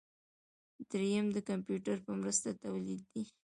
دریم د کمپیوټر په مرسته تولید دی.